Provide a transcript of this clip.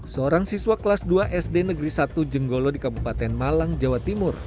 seorang siswa kelas dua sd negeri satu jenggolo di kabupaten malang jawa timur